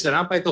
dan apa itu